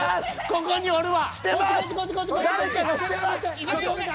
ここにおる。